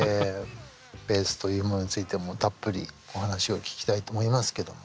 ベースというものについてもたっぷりお話を聞きたいと思いますけども。